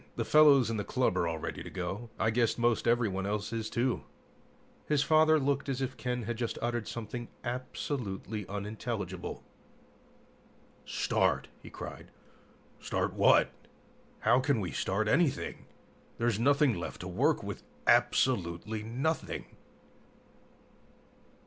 The fellows in the club are all ready to go. I guess most everyone else is, too." His father looked as if Ken had just uttered something absolutely unintelligible. "Start!" he cried. "Start what? How can we start anything? There's nothing left to work with, absolutely nothing!"